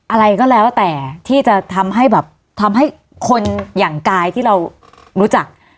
อะไรก็แล้วแต่ที่จะทำให้แบบทำให้คนอย่างกายที่เรารู้จัก